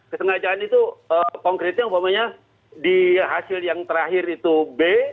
kesengajaan itu konkretnya umpamanya di hasil yang terakhir itu b